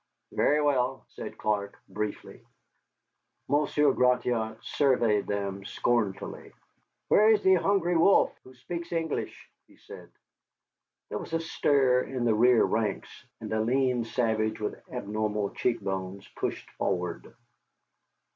"Very well," said Clark, briefly. Monsieur Gratiot surveyed them scornfully. "Where is the Hungry Wolf, who speaks English?" he said. There was a stir in the rear ranks, and a lean savage with abnormal cheek bones pushed forward.